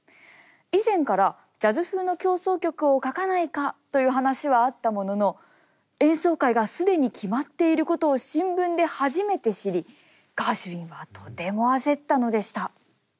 以前からジャズ風の協奏曲を書かないかという話はあったものの演奏会が既に決まっていることを新聞で初めて知りガーシュウィンはとても焦ったのでした。